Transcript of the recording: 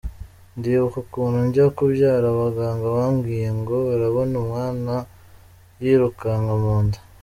Ndibuka ukuntu njya kubyara abaganga bambwiye ngo barabona umwana yirukanka mu nda.